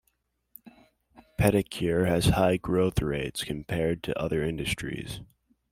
Pedicure has high growth rates compared to other industries.